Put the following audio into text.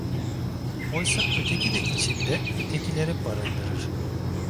Oysa öteki de içinde “ötekileri” barındırır.